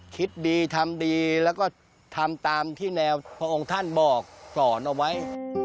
คิดดีทำดีแล้วก็ทำตามที่แนวพระองค์ท่านบอกสอนเอาไว้